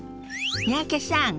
三宅さん